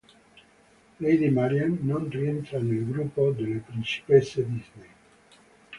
Lady Marian non rientra nel gruppo delle Principesse Disney.